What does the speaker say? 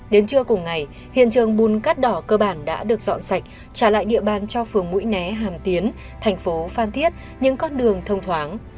đến trưa cùng ngày hiện trường bùn cát đỏ cơ bản đã được dọn sạch trả lại địa bàn cho phường mũi né hàm tiến thành phố phan thiết những con đường thông thoáng